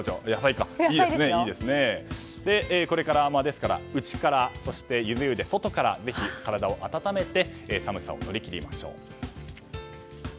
これから内からそして外からぜひ、体を温めて寒さを乗り切りましょう。